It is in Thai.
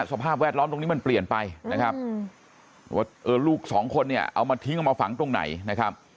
สภาพแวดล้อมตรงนี้มันเปลี่ยนไปนะครับว่าลูกสองคนเนี่ยเอามาทิ้งเอามาฝังตรงไหนนะครับ